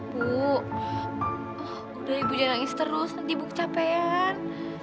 bu udah ibu jangan nangis terus nanti ibu kecapean